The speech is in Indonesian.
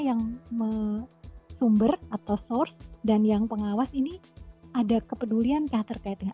yang sumber atau source dan yang pengawas ini ada kepeduliankah terkaitnya